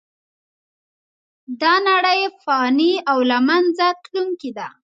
دا نړۍ فانې او له منځه تلونکې ده .